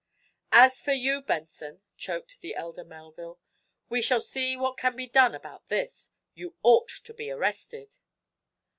"As for you, Benson," choked the elder Melville, "we shall see what can be done about this. You ought to be arrested."